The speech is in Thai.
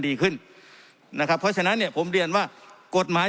ดีขึ้นนะครับเพราะฉะนั้นเนี่ยผมเรียนว่ากฎหมาย